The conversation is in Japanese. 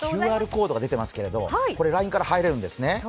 ＱＲコードが出てますけどＬＩＮＥから入れるんですね。